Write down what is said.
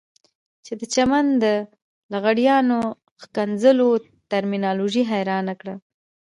چې د چمن د لغړیانو ښکنځلو ترمینالوژي حيرانه کړه.